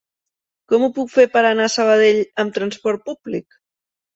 Com ho puc fer per anar a Sabadell amb trasport públic?